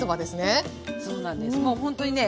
まあほんとにね